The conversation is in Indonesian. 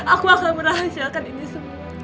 aku akan merahasilkan ini semua